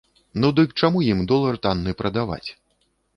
Ну дык чаму ім долар танны прадаваць?